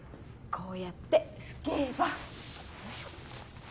こうやって拭けばよいしょ。